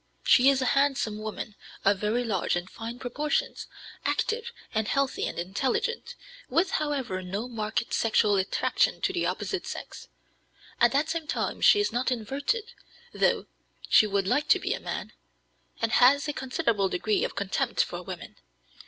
She is a handsome woman, of very large and fine proportions, active and healthy and intelligent, with, however, no marked sexual attraction to the opposite sex; at the same time she is not inverted, though she would like to be a man, and has a considerable degree of contempt for women.